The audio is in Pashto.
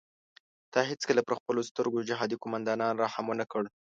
تا هیڅکله پر خپلو سترو جهادي قوماندانانو رحم ونه کړ.